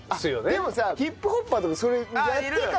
でもさヒップホッパーとかそれやってから帽子。